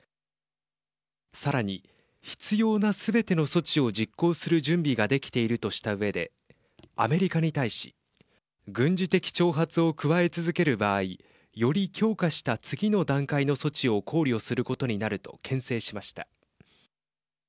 さらに、必要なすべての措置を実行する準備ができているとしたうえでアメリカに対し軍事的挑発を加え続ける場合より強化した次の段階の措置を考慮することになるとけん制しました。